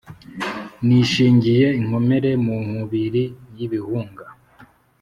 nishingiye inkomere mu nkubili y'ibihunga,